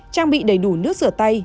trang bị đầy đủ nước sửa tay